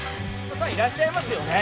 ・いらっしゃいますよね？